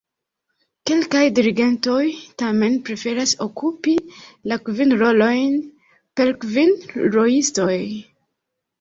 Kelkaj dirigentoj tamen preferas okupi la kvin rolojn per kvin soloistoj.